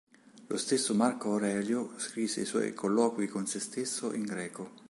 Lo stesso Marco Aurelio scrisse i suoi "Colloqui con sé stesso" in greco.